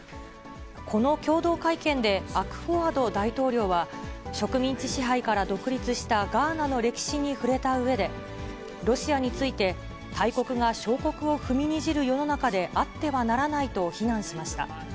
この共同会見でアクフォアド大統領は、植民地支配から独立したガーナの歴史に触れたうえで、ロシアについて、大国が小国を踏みにじる世の中であってはならないと非難しました。